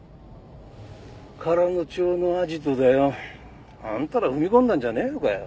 唐野町のアジトだよ。あんたら踏み込んだんじゃねえのかよ。